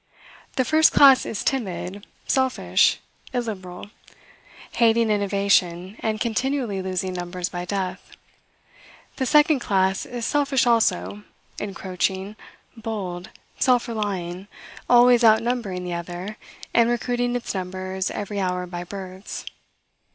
The first class is timid, selfish, illiberal, hating innovation, and continually losing numbers by death. The second class is selfish also, encroaching, bold, self relying, always outnumbering the other, and recruiting its numbers every hour by births.